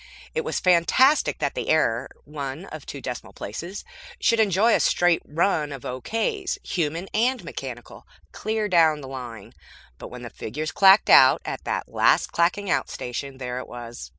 It was fantastic that the error one of two decimal places should enjoy a straight run of okays, human and mechanical, clear down the line; but when the figures clacked out at the last clacking out station, there it was.